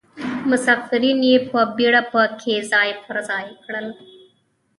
مسافرین یې په بیړه په کې ځای پر ځای کړل.